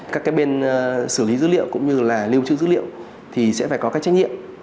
các cái bên xử lý dữ liệu cũng như là lưu trữ dữ liệu thì sẽ phải có các trách nhiệm